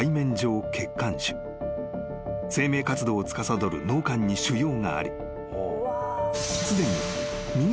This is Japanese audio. ［生命活動をつかさどる脳幹に腫瘍がありすでに］